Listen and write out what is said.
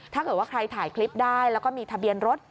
ถ้าเกิดว่าใครถ่ายคลิปได้แล้วก็มีทะเบียนรถ